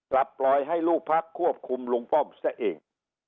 กลับปล่อยให้ลูกพักควบคุมลุงป้อมซะเอง